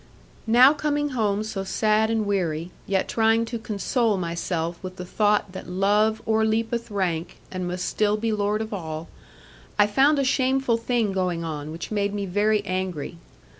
Now coming home so sad and weary, yet trying to console myself with the thought that love o'erleapeth rank, and must still be lord of all, I found a shameful thing going on, which made me very angry.